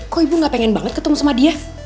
kok ibu gak pengen banget ketemu sama dia